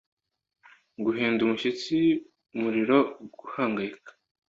guhinda umushyitsi umuriro guhangayika